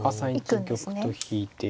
３一玉と引いて。